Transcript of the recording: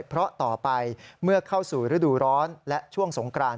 เพราะต่อไปเมื่อเข้าสู่ฤดูร้อนและช่วงสงกราน